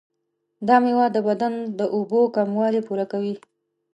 دا میوه د بدن د اوبو کموالی پوره کوي.